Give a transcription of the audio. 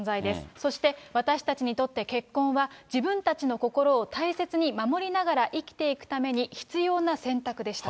そして、私たちにとって結婚は、自分たちの心を大切に守りながら生きていくために必要な選択でした。